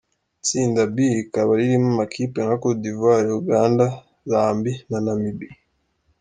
Itsinda B rikaba ririmo amakipe nka: Cote d’Ivoire, Uganda, Zambie na Namibie.